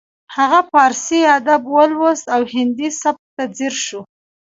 هغه پارسي ادب ولوست او هندي سبک ته ځیر شو